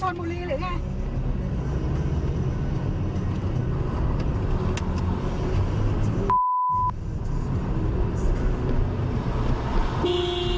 ทำไมคนชนบุรีหรือไง